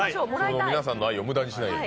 皆さんの愛を無駄にしないように。